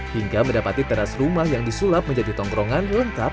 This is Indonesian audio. hingga mendapati teras rumah yang disulap menjadi tongkrongan lengkap